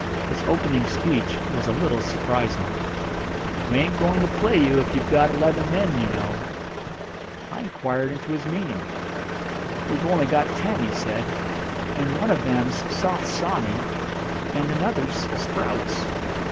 His opening speech was a little surprising. "We ain't going to play you if you've got eleven men, you know." I inquired into his meaning. "We've only got ten," he said. "And one of them's Soft Sawney, and another's Sprouts."